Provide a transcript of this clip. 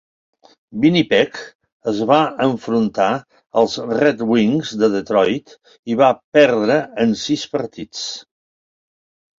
Winnipeg es va enfrontar als Red Wings de Detroit i va perdre en sis partits.